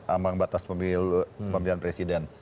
ambang batas pemilihan presiden